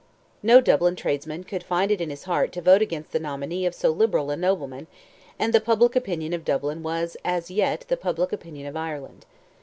No Dublin tradesman could find it in his heart to vote against the nominee of so liberal a nobleman, and the public opinion of Dublin was as yet the public opinion of Ireland.